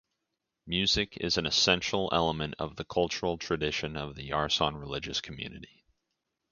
Music is an essential element of the cultural tradition of the Yarsan religious community.